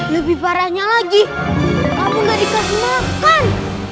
lebih parahnya lagi kamu gak dikasih makan